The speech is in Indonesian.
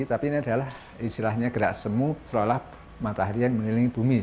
tapi ini adalah istilahnya gerak semu seolah olah matahari yang mengelilingi bumi